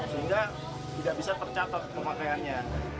sehingga tidak bisa tercatat pemakaiannya